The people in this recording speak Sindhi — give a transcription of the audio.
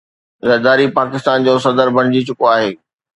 زرداري پاڪستان جو صدر بڻجي چڪو آهي